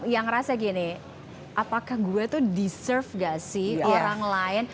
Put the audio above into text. yang ngerasa gini apakah gue tuh deserve gak sih orang lain